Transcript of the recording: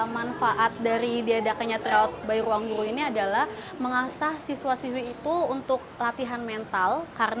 manfaat dari diadakannya tryout bayi ruang guru ini adalah mengasah siswa siswi itu untuk latihan mental